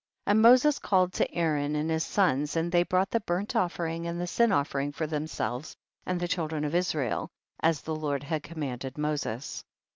5. And Moses called to Aaron and his sons, and they brought the burnt offering and the sin offering for them selves and the children of Israel, as the Lord had commanded Moses.